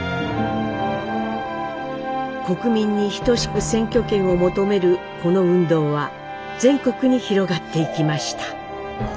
国民にひとしく選挙権を求めるこの運動は全国に広がっていきました。